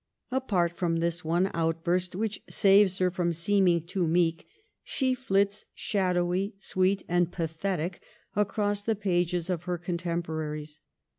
Apart from this one outburst, which saves her from seeming too meek, she flits shadowy, sweet and pathetic, across the pages of her contempo raries.